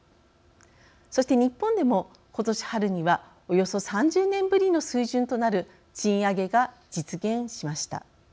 そして日本でも今年春にはおよそ３０年ぶりの水準となる賃上げが実現しました。